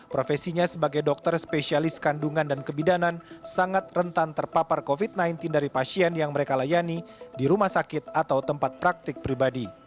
profesinya sebagai dokter spesialis kandungan dan kebidanan sangat rentan terpapar covid sembilan belas dari pasien yang mereka layani di rumah sakit atau tempat praktik pribadi